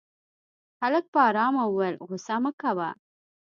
هلک په آرامه وويل غوسه مه کوه.